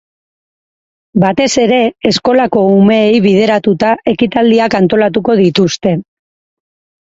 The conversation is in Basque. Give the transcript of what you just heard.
Batez ere, eskolako umeei bideratuta ekitaldiak antolatuko dituzte.